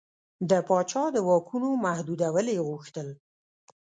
د پاچا د واکونو محدودول یې غوښتل.